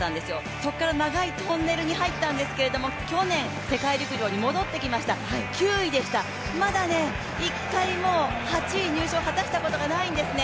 そこから長いトンネルに入ったんですけれども、去年世界陸上に戻ってきました、９位でした、まだ１回も８位入賞を果たしたことがないんですね。